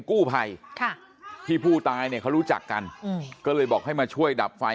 กู้ภัยค่ะที่ผู้ตายเนี่ยเขารู้จักกันอืมก็เลยบอกให้มาช่วยดับไฟ